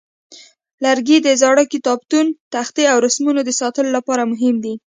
لرګي د زاړه کتابتونه، تختې، او رسمونو د ساتلو لپاره مهم دي.